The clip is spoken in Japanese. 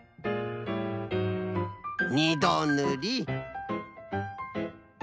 ２どぬり。